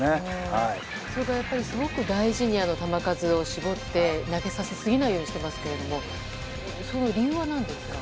すごく大事に球数を絞って投げさせすぎないようにしていますけれどもその理由は何ですか？